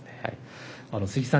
鈴木さん